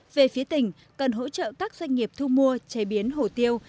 về phía tỉnh cần hỗ trợ các doanh nghiệp thu mua chế biến hổ tiêu